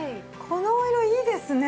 このお色いいですね。